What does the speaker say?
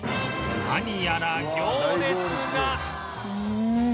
何やら行列が